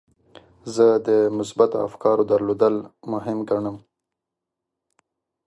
زه د مثبتو افکارو درلودل مهم ګڼم.